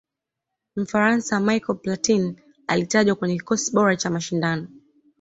mfaransa michael platin alitajwa kwenye kikosi bora cha mashindano